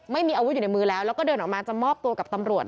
ไม่มีอาวุธอยู่ในมือแล้วแล้วก็เดินออกมาจะมอบตัวกับตำรวจ